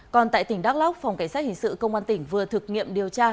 còn tại tỉnh đắk lóc phòng cảnh sát hình sự công an tỉnh vừa thực nghiệm điều tra